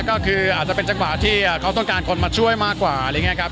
ก็คืออาจจะเป็นจังหวะที่เขาต้องการคนมาช่วยมากกว่าอะไรอย่างนี้ครับ